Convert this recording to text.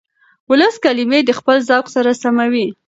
ولس کلمې د خپل ذوق سره سموي.